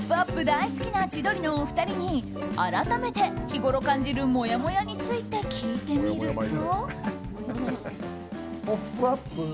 大好きな千鳥のお二人に改めて、日ごろ感じるもやもやについて聞いてみると。